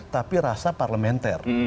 tapi rasa parlementer